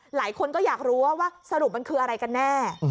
หลายคนก็อยากรู้ว่าสรุปมันคืออะไรกันแน่